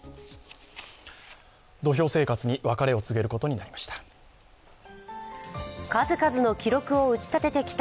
土俵生活に別れを告げることになりました。